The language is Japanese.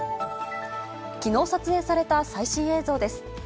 きのう撮影された最新映像です。